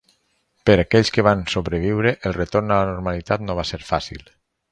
Per aquells que van sobreviure, el retorn a la normalitat no va ser fàcil.